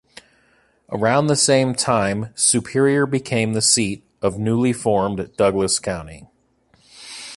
Around the same time Superior became the seat of newly formed Douglas County.